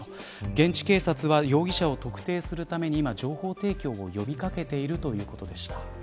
現地警察は容疑者を特定するために今、情報提供を呼び掛けているということでした。